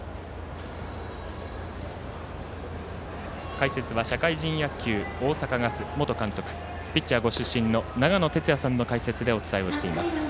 解説は社会人野球大阪ガス元監督ピッチャーご出身の長野哲也さんの解説でお伝えをしています。